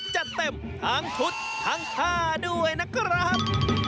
จัดเต็มทั้งชุดทั้งท่าด้วยนะครับ